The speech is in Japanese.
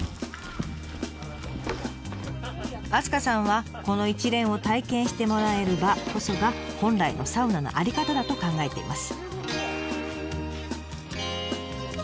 明日香さんはこの一連を体験してもらえる場こそが本来のサウナの在り方だと考えています。